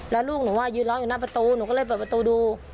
แล้วลูกหนูยืนร้องอยู่หน้าประตูหนูก็เลยเปิดประตูดู